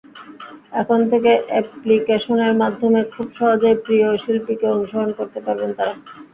এখন থেকে অ্যাপ্লিকেশনের মাধ্যমে খুব সহজেই প্রিয় শিল্পীকে অনুসরণ করতে পারবেন তাঁরা।